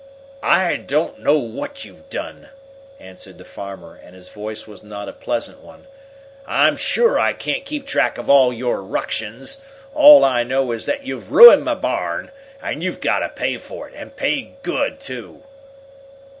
"I don't know what you've done," answered the farmer, and his voice was not a pleasant one. "I'm sure I can't keep track of all your ructions. All I know is that you've ruined my barn, and you've got to pay for it, and pay good, too!"